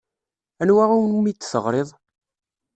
Anwa umi d-teɣriḍ?